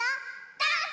ダンス！